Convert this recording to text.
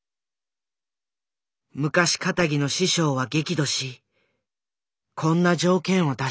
昔かたぎの師匠は激怒しこんな条件を出した。